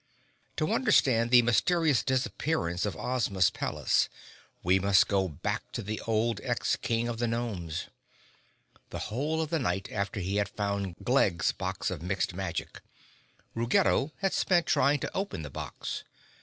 _ To understand the mysterious disappearance of Ozma's palace, we must go back to the old Ex King of the Gnomes. The whole of the night after he had found Glegg's box of Mixed Magic, Ruggedo had spent trying to open the box.